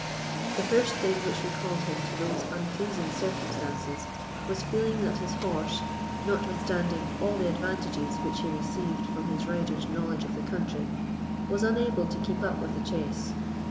The first thing which recalled him to those unpleasing circumstances was feeling that his horse, notwithstanding all the advantages which he received from his rider's knowledge of the country, was unable to keep up with the chase.